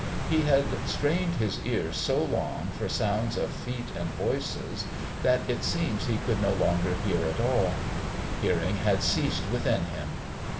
He had strained his ears so long for sounds of feet and voices that it seemed he could no longer hear at all. Hearing had ceased within him.